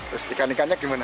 terus ikan ikannya gimana